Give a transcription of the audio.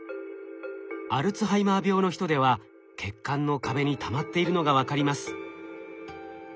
アルツハイマー病の人では血管の壁にたまっているのが分かります。